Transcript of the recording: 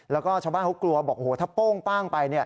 แล้วก็ชาวบ้านเขากลัวบอกโอ้โหถ้าโป้งป้างไป